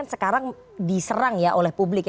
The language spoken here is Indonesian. sekarang diserang oleh publik